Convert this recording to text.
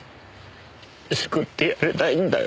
救ってやれないんだよ。